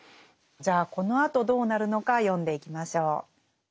じゃあこのあとどうなるのか読んでいきましょう。